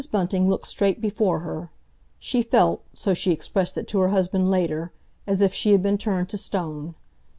Bunting looked straight before her. She felt—so she expressed it to her husband later—as if she had been turned to stone.